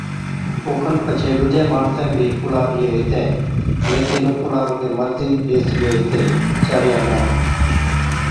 اوکن پڇي ڏُوجين ماڻسين بِي ڪُلھا ڏيئين ھِتين ميٿِي نُون ڪُلها رُگَي مرد ئِي ڏي سِگھي هِتي چاڙِيا نہ